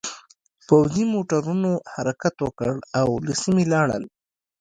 پوځي موټرونو حرکت وکړ او له سیمې لاړل